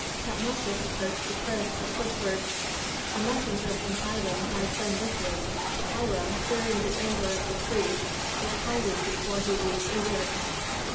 Tutmosis approached the prince, and whispered, "A messenger from Hiram has been with me. Hiram, fearing the anger of the priests, is hiding before he leaves Egypt.